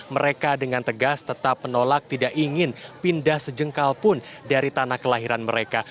mereka dengan tegas tetap menolak tidak ingin pindah sejengkal pun dari tanah kelahiran mereka